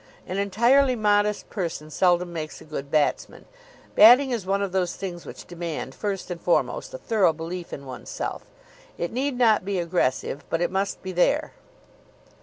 An entirely modest person seldom makes a good batsman. Batting is one of those things which demand first and foremost a thorough belief in oneself. It need not be aggressive, but it must be there.